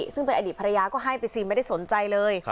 ซึ่งเป็นอดีตภรรยาก็ให้ไปสิไม่ได้สนใจเลย